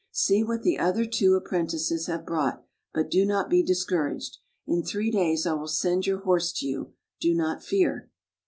See what the other two apprentices have brought, but do not be discouraged. In three days I will send your horse to you. Do not fear."